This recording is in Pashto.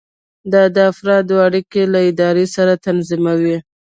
دا د افرادو اړیکې له ادارې سره تنظیموي.